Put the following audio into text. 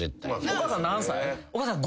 お母さん何歳？